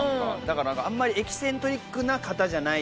あんまりエキセントリックな方じゃない。